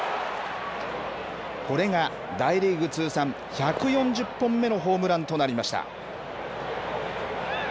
これが大リーグ通算１４０本目のホームランとなりました。